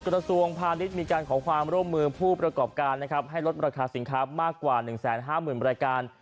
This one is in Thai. กระทรวงพาณิชย์มีการขอความร่วมมือผู้ประกอบการนะครับให้ลดราคาสินค้ามากกว่า๑๕๐๐๐รายการ